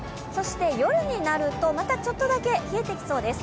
夜になると、またちょっとだけ冷えてきそうです。